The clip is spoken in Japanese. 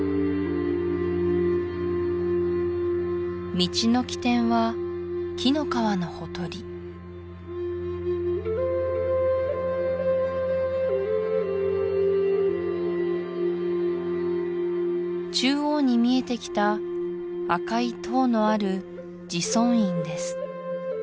道の起点は紀の川のほとり中央に見えてきた赤い塔のある慈尊院です